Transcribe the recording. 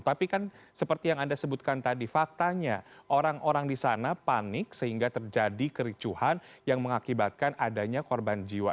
tapi kan seperti yang anda sebutkan tadi faktanya orang orang di sana panik sehingga terjadi kericuhan yang mengakibatkan adanya korban jiwa